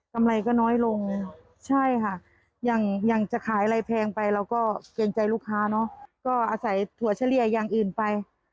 กำไรก็น้อยลงใช่ค่ะอย่างจะขายอะไรแพงไปเราก็เกรงใจลูกค้าเนอะ